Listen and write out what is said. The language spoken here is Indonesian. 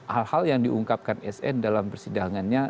hal hal yang diungkapkan sn dalam persidangannya